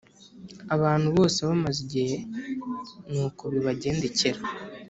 Abantu bose bamaze igihe niko bibagendekera